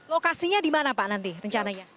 lokasinya dimana pak nanti rencananya